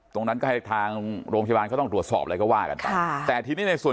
ตรงนั้นก็ให้ทางโรงพยาบาลเขาต้องตรวจสอบอะไรก็ว่ากันไปค่ะแต่ทีนี้ในส่วน